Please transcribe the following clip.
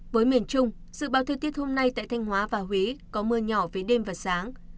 với miền trung dự báo thời tiết hôm nay tại thanh hóa và huế có mưa nhỏ về đêm và sáng